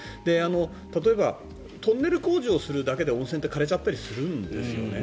例えばトンネル工事をするだけで温泉ってかれちゃったりするんだよね。